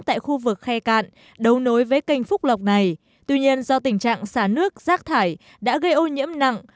tại khu vực khe cạn đấu nối với kênh phúc lọc này tuy nhiên do tình trạng xả nước rác thải đã gây ô nhiễm nặng